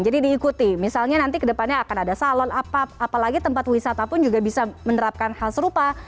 jadi diikuti misalnya nanti kedepannya akan ada salon apalagi tempat wisata pun juga bisa menerapkan hal serupa